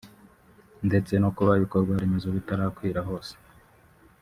ndetse no kuba ibikorwa remezo bitarakwira hose